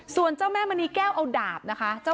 ส่วนเจ้าแม่มณีแก้วเอาดาบนะคะ